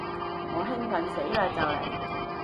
我興奮死嘞就嚟